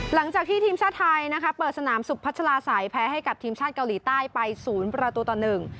หลังจากที่ทีมชาติไทยนะคะเปิดสนามสุพัชลาศัยแพ้ให้กับทีมชาติเกาหลีใต้ไปศูนย์ประตูต่อหนึ่ง